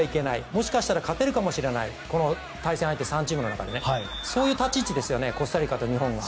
もしかしたら勝てるかもしれないこの対戦相手、３チームの中でそういう立ち位置ですよねコスタリカと日本は。